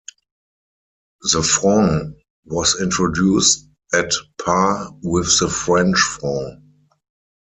The franc was introduced at par with the French franc.